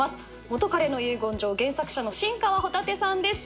『元彼の遺言状』原作者の新川帆立さんです。